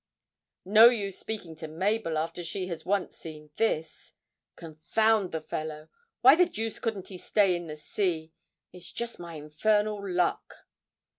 'No use speaking to Mabel after she has once seen this. Confound the fellow! Why the deuce couldn't he stay in the sea? It's just my infernal luck!'